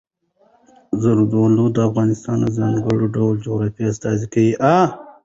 زردالو د افغانستان د ځانګړي ډول جغرافیه استازیتوب کوي.